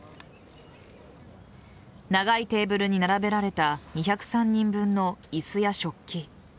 長いテーブルに並べられた２０３人分の椅子や食器。